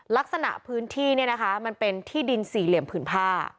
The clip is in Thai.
ลักษณะพื้นที่เนี่ยนะคะมันเป็นที่ดินสี่เหลี่ยมผืนผ้า